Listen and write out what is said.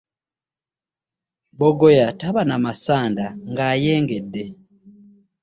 Bogoya taba na masanda ng'ayengedde.